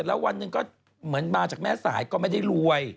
แล้ววันหนึ่งก็เหมือนมาจากแม่สายก็ไม่ได้รวย